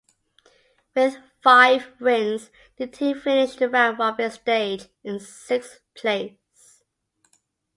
With five wins, the team finished the round-robin stage in sixth place.